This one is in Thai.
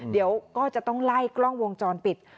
เดี๋ยวก็จะต้องไล่กล้องวงจรปิด